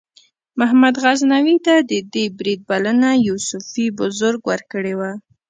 محمود غزنوي ته د دې برید بلنه یو صوفي بزرګ ورکړې وه.